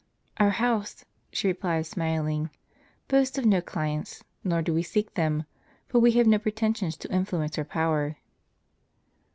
"Our house," she replied, smiling, "boasts of no clients, nor do we seek them ; for we have no pretensions to influence or power."